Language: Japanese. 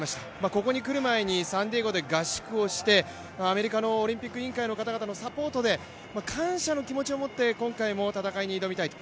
ここに来る前にサンディエゴで合宿をしてアメリカのオリンピック委員会の方々のサポートで感謝の気持ちを持って今回も戦いに挑みたいと。